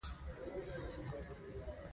افغانستان د مس په برخه کې نړیوال شهرت لري.